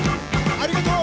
ありがとう。